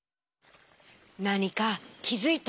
なにかきづいた？